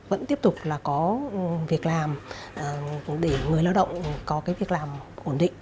vẫn tiếp tục có việc làm để người lao động có việc làm ổn định